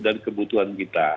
dan kebutuhan kita